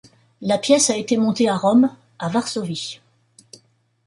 La pièce a été montée à Rome, à Varsovie.